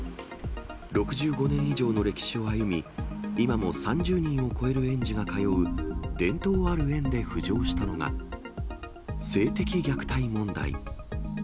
６５年以上の歴史を歩み、今も３０人を超える園児が通う、伝統ある園で浮上したのが、性的虐待問題。